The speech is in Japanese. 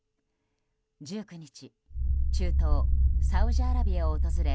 １９日中東サウジアラビアを訪れ